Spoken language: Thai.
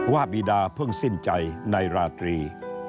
บีดาเพิ่งสิ้นใจในราตรี